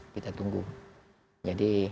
kita tunggu jadi